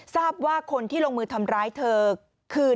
ทราบว่าคนที่ลงมือทำร้ายเธอคือ